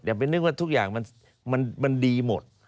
ไปนึกว่าทุกอย่างมันดีหมด